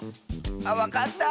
あっわかった！